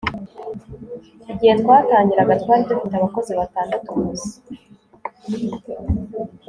Igihe twatangiraga twari dufite abakozi batandatu gusa